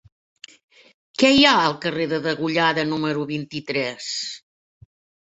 Què hi ha al carrer de Degollada número vint-i-tres?